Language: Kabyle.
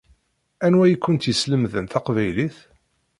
Anwa i kent-yeslemden taqbaylit?